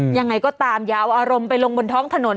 ยังไงก็ตามอย่าเอาอารมณ์ไปลงบนท้องถนน